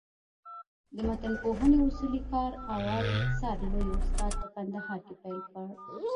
د متنپوهني اصولي کار اول سر لوى استاد په کندهار کښي پېل کړ.